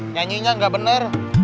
nyanyinya gak bener